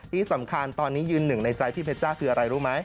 ที่สำคัญตอนนี้ยืนหนึ่งในใจพี่เพชรจ้าคืออะไรรู้ไหม